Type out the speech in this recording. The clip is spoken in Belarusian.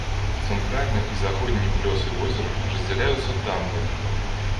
Цэнтральны і заходні плёсы возера раздзяляюцца дамбай.